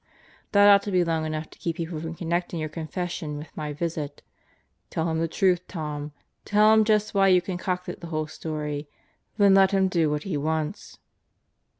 That ought to be long enough to keep people from connecting your confession with my visit. Tell him the truth, Tom. Tell him just why you con cocted the whole story. Then let him do what he wants."